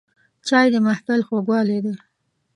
چای د محفل خوږوالی دی